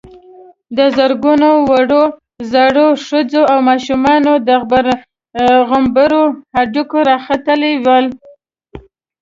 د زرګونو وړو_ زړو، ښځو او ماشومانو د غومبرو هډوکي را ختلي ول.